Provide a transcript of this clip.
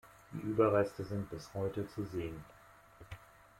Die Überreste sind bis heute zu sehen.